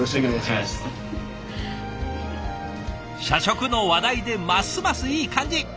社食の話題でますますいい感じ。